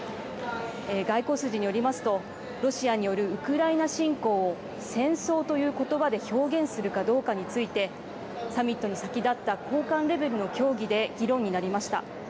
外交筋によりますとロシアによるウクライナ侵攻を戦争という言葉で表現するかどうかについてサミットに先立った高官レベルの協議で議論になりました。